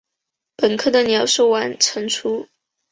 本科的鸟是晚成雏。